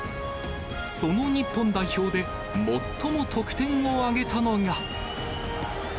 その日本代表で最も得点を挙げたのが。